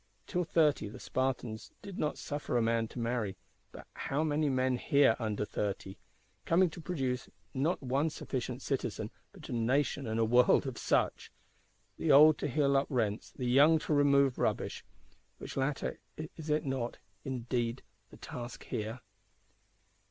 Till thirty the Spartans did not suffer a man to marry: but how many men here under thirty; coming to produce not one sufficient citizen, but a nation and a world of such! The old to heal up rents; the young to remove rubbish:—which latter, is it not, indeed, the task here?